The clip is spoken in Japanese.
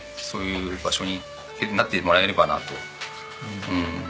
そういう場所になってもらえればなと。